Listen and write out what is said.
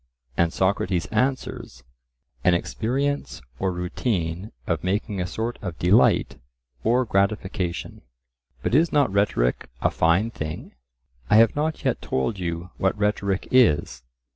and Socrates answers, An experience or routine of making a sort of delight or gratification. "But is not rhetoric a fine thing?" I have not yet told you what rhetoric is.